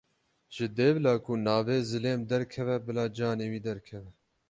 Ji dêvla ku navê zilêm derkeve bila canê wî derkeve.